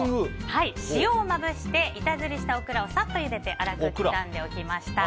塩をまぶして板ずりしたオクラをサッとゆでて粗く刻んでおきました。